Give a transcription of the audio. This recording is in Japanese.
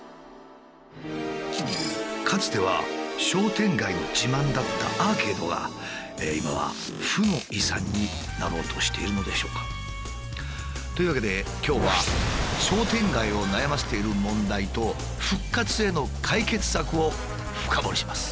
かつては商店街の自慢だったアーケードが今は負の遺産になろうとしているのでしょうか。というわけで今日は商店街を悩ませている問題と復活への解決策を深掘りします。